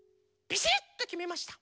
ビシッときめました。